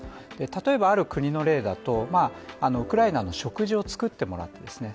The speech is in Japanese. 例えばある国の例だと、ウクライナの食事を作ってもらってですね